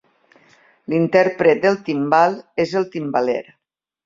L'intèrpret del timbal és el timbaler.